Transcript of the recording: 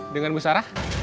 dengan bu sarah